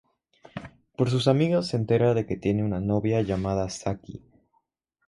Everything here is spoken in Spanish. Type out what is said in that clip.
Por sus amigas se entera de que tiene una novia llamada Saki.